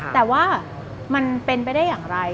แต่ว่ามันเป็นไปได้อย่างไร